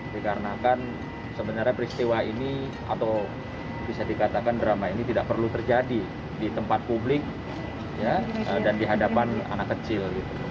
dikarenakan sebenarnya peristiwa ini atau bisa dikatakan drama ini tidak perlu terjadi di tempat publik dan di hadapan anak kecil